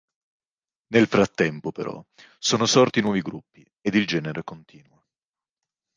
Nel frattempo però sono sorti nuovi gruppi ed il genere continua.